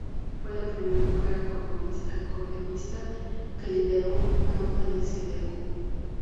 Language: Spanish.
Fue la primera mujer acordeonista que lideró una banda de zydeco.